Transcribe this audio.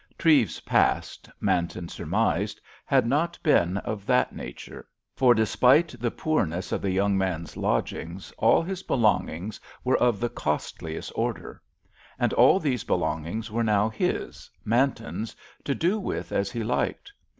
Treves's past, Manton surmised, had not been of that nature, for despite the poorness of the young man's lodgings, all his belongings were of the costliest order. And all these belongings were now his, Manton's, to do with as he liked.